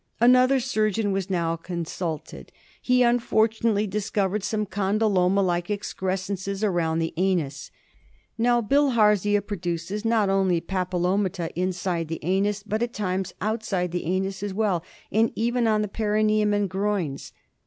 Another surgeon was now consulted. He unfortunately discovered some condyloma like excrescences around the anus. Now Bilharzia produces not only papilomata inside the anus, but at times outside the anus as well, and even on the perineum and groins.